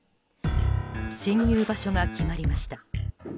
侵入場所が決まりました。